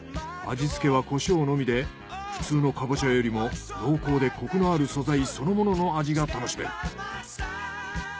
味付けはコショウのみで普通のかぼちゃよりも濃厚でコクのある素材そのものの味が楽しめる。